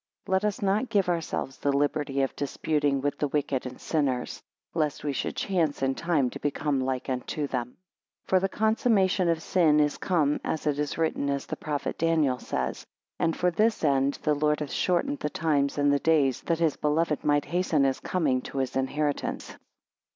3 Let us not give ourselves the liberty of disputing with the wicked and sinners; lest we should chance in time to become like unto them. 4 For the consummation of sin is come, as it is written, as the prophet Daniel says. And for this end the Lord hath shortened the times and the days, that his beloved might hasten his coming to his inheritance.